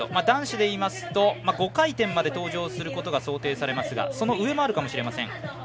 男子でいいますと５回転まで登場することが想定されていますがその上もあるかもしれません。